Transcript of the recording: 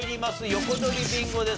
横取りビンゴです。